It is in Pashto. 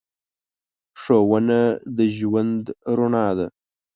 ښوونه د ژوند رڼا ده.